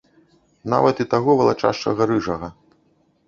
Нават і таго валачашчага, рыжага.